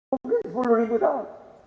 mungkin sepuluh ribu tahun